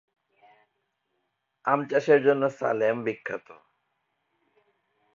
আম চাষের জন্য সালেম বিখ্যাত।